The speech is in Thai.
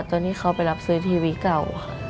ตอนนี้เขาไปรับซื้อทีวีเก่าค่ะ